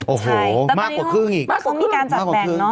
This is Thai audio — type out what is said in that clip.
โอ้โหมากกว่าครึ่งมากกว่าครึ่งแต่ตอนนี้เขามีการจัดแบ่ง